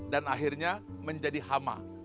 dan akhirnya menjadi hama